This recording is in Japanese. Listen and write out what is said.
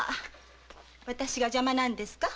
私が邪魔なんですか？